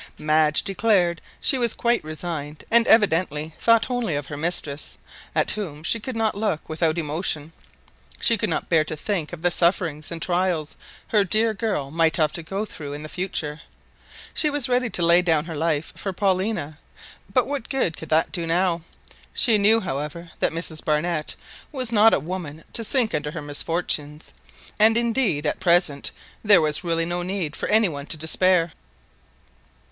Madge declared she was quite resigned, and evidently thought only of her mistress, at whom she could not look without emotion; she could not bear to think of the sufferings and trials her "dear girl" might have to go through in the future. She was ready to lay down her life for "Paulina," but what good could that do now. She knew, however, that Mrs Barnett was not a woman to sink under her misfortunes, and indeed at present there was really no need for any one to despair.